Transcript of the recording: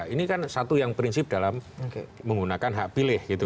ini kan satu yang prinsip dalam menggunakan hak pilih gitu